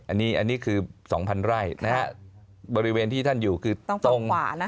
อันนี้คือ๒๐๐ไร่บริเวณที่ท่านอยู่คือตรงกว่า